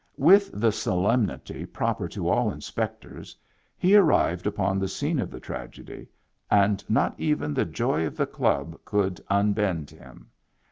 With the so lemnity proper to all inspectors, he arrived upon the scene of the tragedy, and not even the joy of the club could unbend him.